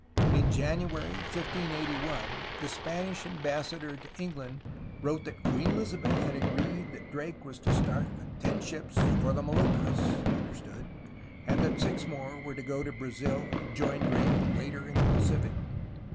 In January 1581, the Spanish ambassador to England wrote that Queen Elizabeth had agreed that Drake was to start with ten ships "for the Moluccas," he understood, and that six more were to go to Brazil and join Drake later in the Pacific.